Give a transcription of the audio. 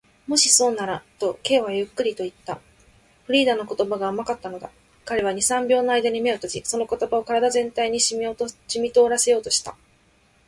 「もしそうなら」と、Ｋ はゆっくりといった。フリーダの言葉が甘かったのだ。彼は二、三秒のあいだ眼を閉じ、その言葉を身体全体にしみとおらせようとした。